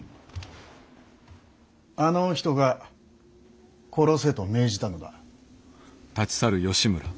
あのお人が殺せと命じたのだ。